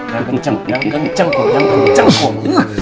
yang kenceng yang kenceng kum yang kenceng kum